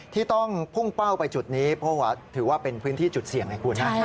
ที่ต้องพุ่งเป้าไปจุดนี้เพราะว่าถือว่าเป็นพื้นที่จุดเสี่ยงไงคุณนะ